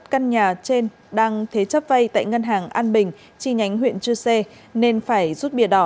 căn nhà trên đang thế chấp vay tại ngân hàng an bình chi nhánh huyện chư sê nên phải rút bìa đỏ